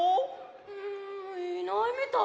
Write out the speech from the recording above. んいないみたい。